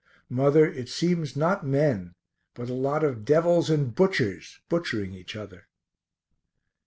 Mother, it seems not men but a lot of devils and butchers butchering each other.